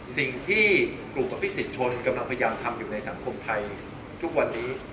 สิ่งที่กลุ่มอภิษฎชนกำลังพยายามทำอยู่ในสังคมไทยทุกวันนี้